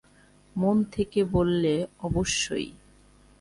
মন থেকে বললে, অবশ্যই।